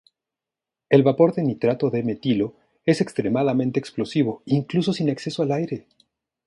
El vapor de nitrato de metilo es extremadamente explosivo incluso sin acceso al aire.